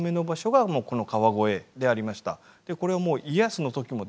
これはもう家康の時もですね